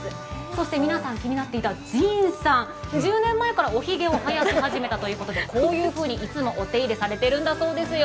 そして皆さん気になっていた神さん、１０年前からおひげを生やし始めたということでこういうふうにいつもお手入れされているんだそうです。